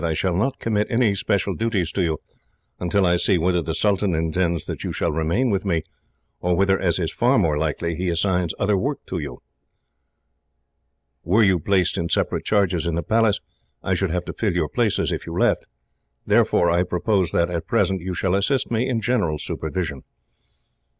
"I shall not commit any special duties to you, until I see whether the sultan intends that you shall remain with me, or whether, as is far more likely, he assigns other work to you. Were you placed in separate charges in the Palace, I should have to fill your places if you left. Therefore I propose that, at present, you shall assist me in general supervision.